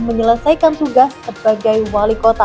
menyelesaikan tugas sebagai wali kota